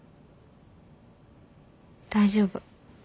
大丈夫。